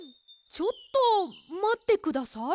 ちょっとまってください。